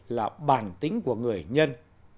là bản tính của người nhân